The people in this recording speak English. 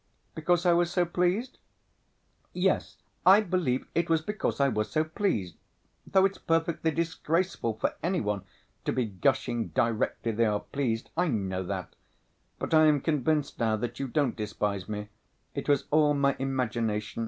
Because I was so pleased? Yes, I believe it was because I was so pleased ... though it's perfectly disgraceful for any one to be gushing directly they are pleased, I know that. But I am convinced now that you don't despise me; it was all my imagination.